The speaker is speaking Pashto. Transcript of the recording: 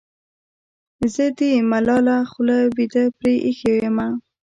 زه دې ملاله خوله وېده پرې اېښې یمه.